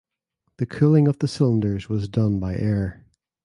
The cooling of the cylinders was done by air.